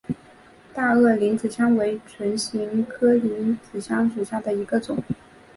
大萼铃子香为唇形科铃子香属下的一个种。